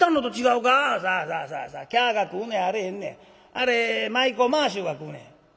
あれ舞妓まぁ衆が食うねん」。